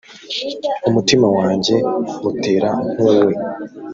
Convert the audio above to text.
umutima wanjye utera nk` uwe